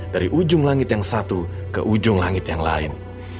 dari ujung langit yang satu ke ujung langit yang lain